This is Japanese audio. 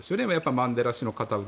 マンデラ氏の片腕。